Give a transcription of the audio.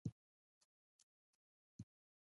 بند امیر د افغانستان د طبیعت زړه دی.